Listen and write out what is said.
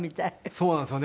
そうなんですよね。